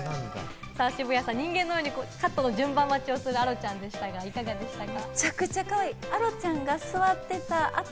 渋谷さん、人間のようにカット待ちをするアロちゃんでしたが、いかがでしたか？